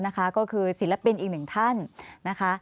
จะคุ้นหน้ากันแล้วนะคะก็คือศิลปินอีกหนึ่งท่านนะคะ